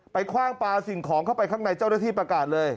ไปขวางปลาสิ่งของเข้าในเข้าในเจ้าเรือที่ประกาศเลย